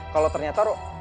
kalo ternyata rok